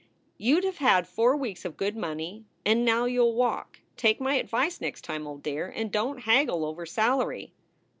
You d have had four weeks of good money, and now you ll walk. Take my advice next time, old dear, and don t haggle over salary.